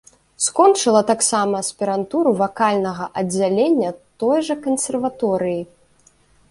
Скончыла таксама аспірантуру вакальнага аддзялення той жа кансерваторыі.